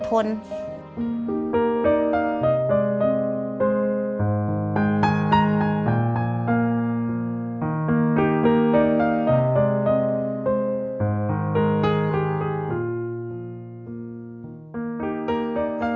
มคคแม่งค่ะ